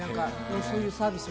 そういうサービスも。